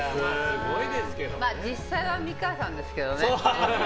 まあ、実際は美川さんですけどね。